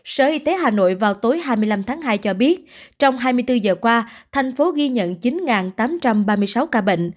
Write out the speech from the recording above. sở y tế hà nội vào tối hai mươi năm tháng hai cho biết trong hai mươi bốn giờ qua thành phố ghi nhận chín tám trăm ba mươi sáu ca bệnh